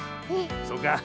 そうか。